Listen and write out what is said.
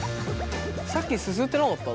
さっきすすってなかった？